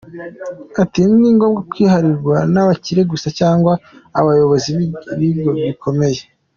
Ati ntirigomba kwiharirwa n'abakire gusa cyangwa abayobozi b'ibigo bikomeye.